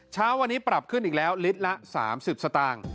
เช้าวันนี้ปรับขึ้นอีกแล้วลิตรละ๓๐สตางค์